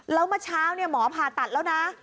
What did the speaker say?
แล้วเมื่อเช้าหมอผ่าตัดแล้วนะ